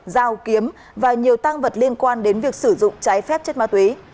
dao kiếm và nhiều tăng vật liên quan đến việc sử dụng trái phép chất ma túy